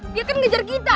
dia kan ngejar kita